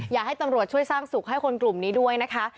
อยากให้ตำรวจช่วยสร้างสุขให้คนกลุ่มนี้ด้วยนะคะ